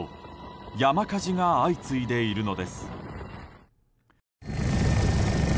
山火事が相次いでいるのです。